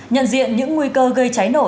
nhận diện những nguy cơ gây cháy nổ